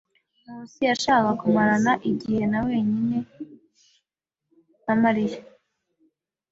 Nkusi yashakaga kumarana igihe na wenyine na Mariya.